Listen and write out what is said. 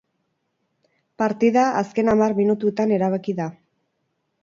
Partida azken hamar minutuetan erabaki da.